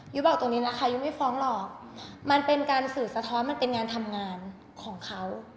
บอกตรงนี้นะคะยุ้ยไม่ฟ้องหรอกมันเป็นการสื่อสะท้อนมันเป็นงานทำงานของเขา